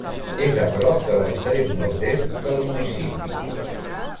És a prop de l'extrem nord-est del municipi.